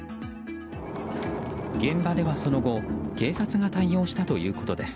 現場では、その後警察が対応したということです。